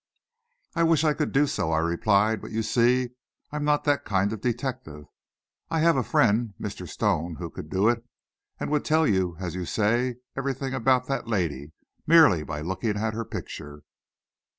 "I wish I could do so," I replied, "but you see, I'm not that kind of detective. I have a friend, Mr. Stone, who could do it, and would tell you, as you say, everything about that lady, merely by looking at her picture."